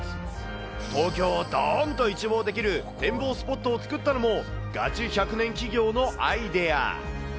東京をどーんと一望できる展望スポットを作ったのも、ガチ１００年企業のアイデア。